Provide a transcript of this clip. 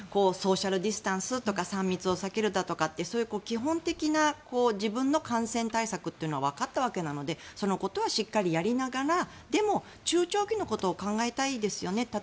ソーシャル・ディスタンスとか３密を避けるだとかってそういう基本的な自分の感染対策というのはわかったわけなのでそのことはしっかりやりながらでも、中長期のことを考えたいですよね。